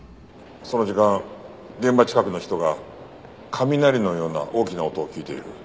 その時間現場近くの人が雷のような大きな音を聞いている。